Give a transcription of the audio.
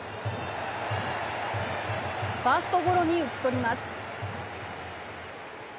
ファーストゴロに打ち取ります。